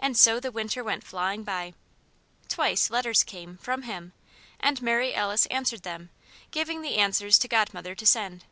And so the winter went flying by. Twice, letters came from him; and Mary Alice answered them, giving the answers to Godmother to send.